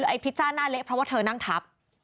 ไอ้พิจ้าหน้าเละเพราะว่าเธอนั่งทับ